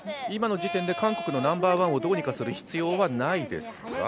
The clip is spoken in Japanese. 今の時点で韓国のナンバーワンをどうにかする必要はないですか？